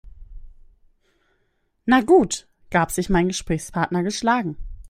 Na gut, gab sich mein Gesprächspartner geschlagen.